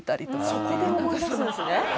そこで思い出すんですね。